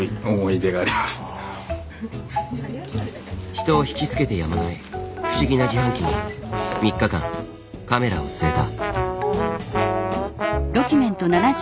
人を引き付けてやまない不思議な自販機に３日間カメラを据えた。